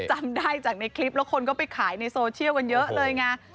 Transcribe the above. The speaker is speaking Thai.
จำได้จากในคลิปแล้วคนก็ไปขายในโซเชียลกันเยอะเลยไง